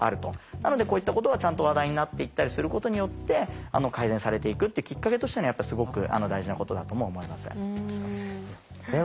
なのでこういったことがちゃんと話題になっていったりすることによって改善されていくっていうきっかけとしてすごく大事なことだとも思います。